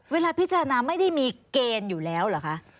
เวลาพิจารณาไม่ได้มีเกณฑ์อยู่แล้วเหรอคะ